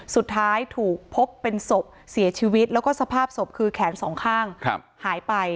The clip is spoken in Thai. สุดท้ายถูกพบเป็นศพเสียชีวิตแล้วก็สภาพศพคือแขนสองข้างหายไป